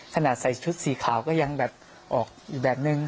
ใส่ชุดสีขาวก็ยังแบบออกอีกแบบนึง